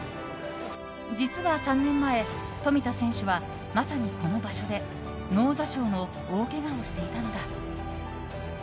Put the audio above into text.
実は３年前、冨田選手はまさにこの場所で脳挫傷の大けがをしていたのだ。